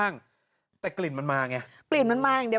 ่งแต่กลิ่นมันมาไงกลิ่นมันมาอย่างเดียว